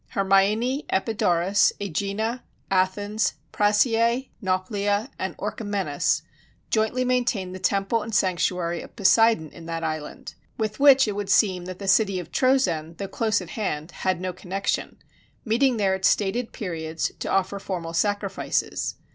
Hermione, Epidaurus, Ægina, Athens, Prasiæ, Nauplia, and Orchomenus, jointly maintained the temple and sanctuary of Poseidon in that island with which it would seem that the city of Troezen, though close at hand, had no connection meeting there at stated periods, to offer formal sacrifices.